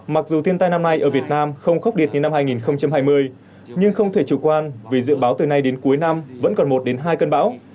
mặc dù thiên tai năm nay ở việt nam không khốc liệt như năm hai nghìn hai mươi nhưng không thể chủ quan vì dự báo từ nay đến cuối năm vẫn còn một đến hai cơn bão